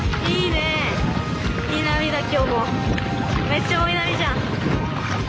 めっちゃ追い波じゃん。